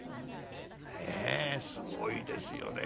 ねえすごいですよね。